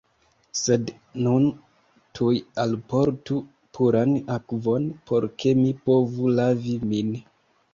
Sed nun tuj alportu puran akvon, por ke mi povu lavi min.